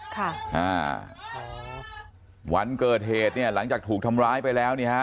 ค่ะอ่าวันเกิดเหตุเนี่ยหลังจากถูกทำร้ายไปแล้วนี่ฮะ